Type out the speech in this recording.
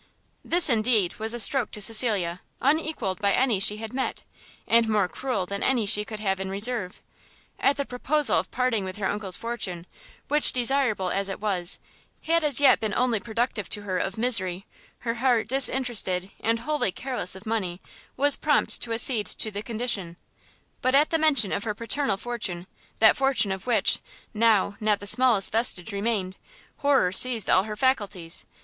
This, indeed, was a stroke to Cecilia unequalled by any she had met, and more cruel than any she could have in reserve. At the proposal of parting with her uncle's fortune, which, desirable as it was, had as yet been only productive to her of misery, her heart, disinterested, and wholly careless of money, was prompt to accede to the condition; but at the mention of her paternal fortune, that fortune, of which, now, not the smallest vestige remained, horror seized all her faculties!